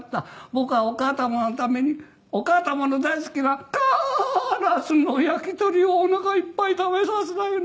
「僕はお母たまのためにお母たまの大好きなカーラスの焼き鳥をおなかいっぱい食べさせたいのです」